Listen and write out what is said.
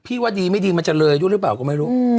ว่าดีไม่ดีมันจะเลยด้วยหรือเปล่าก็ไม่รู้